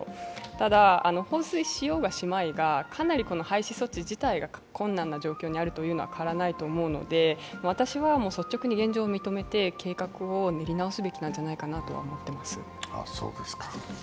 ただ、放水しようがしまいが、かなり廃止措置自体が困難な状態にあるというのは変わらないと思うので、私は率直に現状を認めて、計画を練り直すべきなんじゃないかなと思っています。